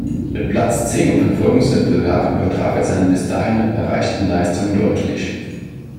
Mit Platz zehn im Verfolgungswettbewerb übertraf er seine bis dahin erreichten Leistungen deutlich.